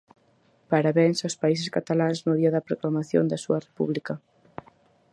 Parabéns aos Países Cataláns no día da proclamación da súa República.